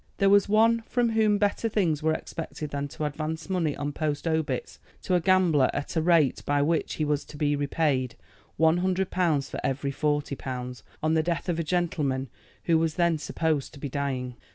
There was one from whom better things were expected than to advance money on post obits to a gambler at a rate by which he was to be repaid one hundred pounds for every forty pounds, on the death of a gentleman who was then supposed to be dying.